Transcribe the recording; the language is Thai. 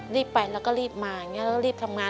รีบไปแล้วก็รีบมาแล้วก็รีบทำงาน